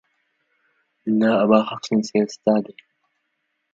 إن أبا حفص سيستعدي